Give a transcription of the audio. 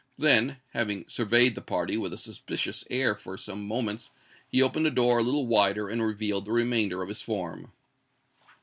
Then, having surveyed the party with a suspicious air for some moments, he opened the door a little wider and revealed the remainder of his form.